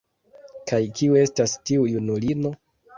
Kaj kiu estas tiu junulino?